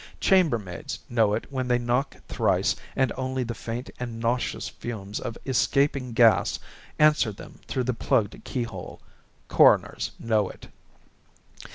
Chambermaids know it when they knock thrice and only the faint and nauseous fumes of escaping gas answer them through the plugged keyhole. Coroners know it.